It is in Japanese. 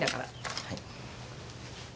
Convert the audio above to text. はい。